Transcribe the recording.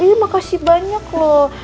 ih makasih banyak loh